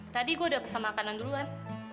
tadi gue udah pesan makanan duluan